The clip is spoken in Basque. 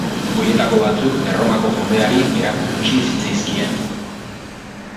Horietako batzuk Erromako jendeari erakutsi zitzaizkien.